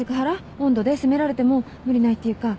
音頭で責められても無理ないっていうか。